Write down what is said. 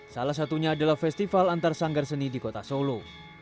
salah satunya adalah festival antarsanggar seni di kota solo